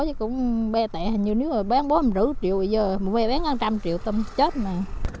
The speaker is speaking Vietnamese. chắc là lỗi cũng bè tẹ hình như nếu mà bán bố em rửa một triệu bây giờ mà bè bán một trăm linh triệu tôm chết mà